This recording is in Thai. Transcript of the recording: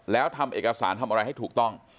แล้วทำเอกสารทำอะไรให้ถูกต้อง